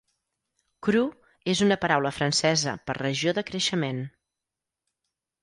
"Cru" és una paraula francesa per regió de creixement.